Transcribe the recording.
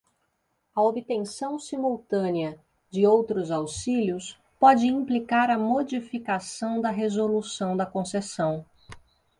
A obtenção simultânea de outros auxílios pode implicar a modificação da resolução da concessão.